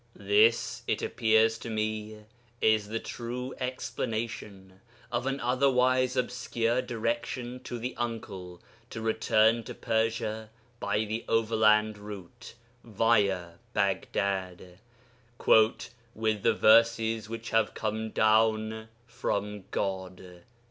This, it appears to me, is the true explanation of an otherwise obscure direction to the uncle to return to Persia by the overland route, via Baghdad, 'with the verses which have come down from God.'